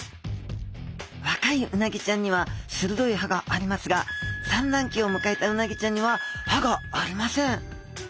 若いうなぎちゃんには鋭い歯がありますが産卵期を迎えたうなぎちゃんには歯がありません。